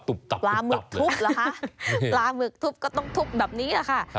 ปลาหมึกทุบเหรอคะปลาหมึกทุบก็ต้องทุบแบบนี้แหละค่ะ